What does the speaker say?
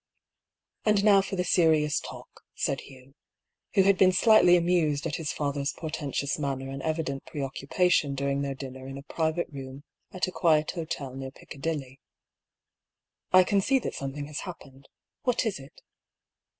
' And now for the serious talk," said Hugh, who had been slightly amused at his father's portentous manner and evident preoccupation during their dinner in a pri yate room at a quiet hotel near Piccadilly, *' I can see that something has happened. What is it